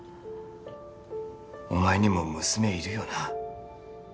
お前にも娘いるよな？